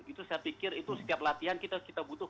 itu saya pikir itu setiap latihan kita butuh